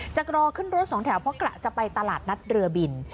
จะรอขึ้นรถสองแถวเพราะกะจะไปตลาดนัดเรือบิน